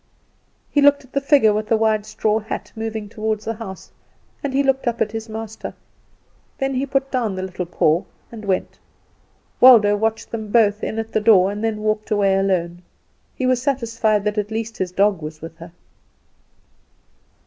He looked at the figure with the wide straw hat moving toward the house, and he looked up at his master; then he put down the little paw and went. Waldo watched them both in at the door and then walked away alone. He was satisfied that at least his dog was with her.